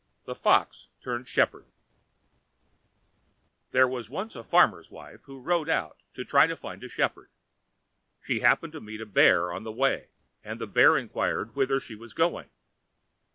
The Fox Turned Shepherd There was once a farmer's wife who rode out to try and find a shepherd. She happened to meet a bear on the way, and the bear inquired whither she was going.